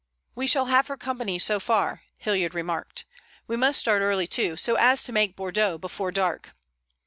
"We shall have her company so far," Hilliard remarked. "We must start early, too, so as to make Bordeaux before dark."